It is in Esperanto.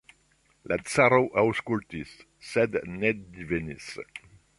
La caro aŭskultis, sed ne divenis.